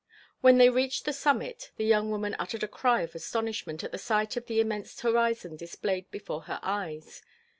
When they reached the summit the young woman uttered a cry of astonishment at the sight of the immense horizon displayed before her eyes.